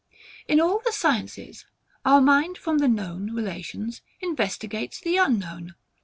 In all the sciences, our mind from the known relations investigates the unknown.